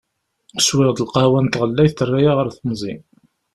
Swiɣ-d lqahwa n tɣellayt terra-yi ar temẓi.